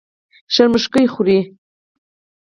شرموښکۍ خوري.